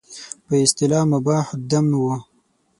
په اصطلاح مباح الدم وو.